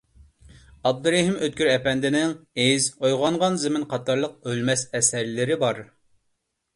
ئابدۇرېھىم ئۆتكۈر ئەپەندىنىڭ «ئىز»، «ئويغانغان زېمىن» قاتارلىق ئۆلمەس ئەسەرلىرى بار.